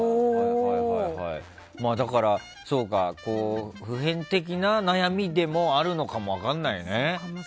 だから、普遍的な悩みでもあるのかも分からないね。